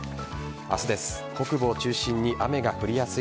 明日です。